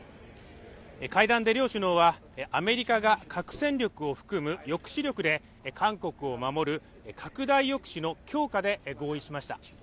会談で両首脳はアメリカが核戦力を含む抑止力で、韓国を守る拡大抑止の強化で合意しました。